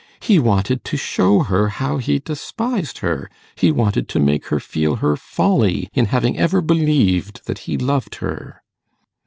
He wanted to show her how he despised her; he wanted to make her feel her folly in having ever believed that he loved her.